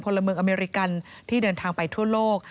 ละเมืองอเมริกันที่เดินทางไปทั่วโลก